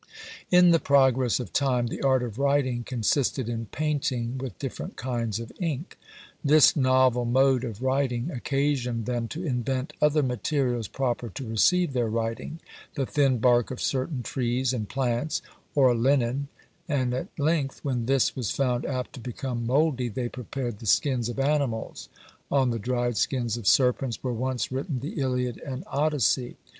In the progress of time the art of writing consisted in painting with different kinds of ink. This novel mode of writing occasioned them to invent other materials proper to receive their writing; the thin bark of certain trees and plants, or linen; and at length, when this was found apt to become mouldy, they prepared the skins of animals; on the dried skins of serpents were once written the Iliad and Odyssey.